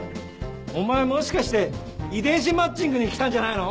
お前もしかして遺伝子マッチングに来たんじゃないの？